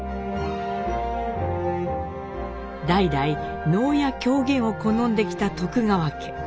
代々能や狂言を好んできた徳川家。